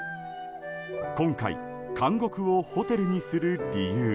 今回、監獄をホテルにする理由。